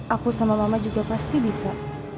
aku sama mama juga pasti bisa